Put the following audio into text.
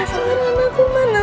suara anakku mana